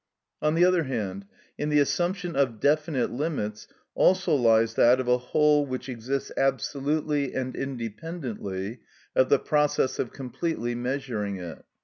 On the other hand, in the assumption of definite limits also lies that of a whole which exists absolutely and independently of the process of completely measuring it.